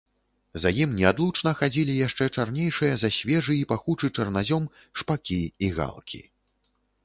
За ім неадлучна хадзілі яшчэ чарнейшыя за свежы і пахучы чарназём шпакі і галкі.